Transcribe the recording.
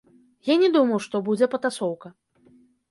Я не думаў, што будзе патасоўка.